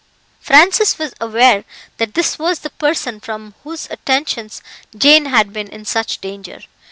Francis was aware that this was the person from whose attentions Jane had been in such danger.